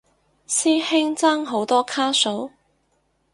師兄爭好多卡數？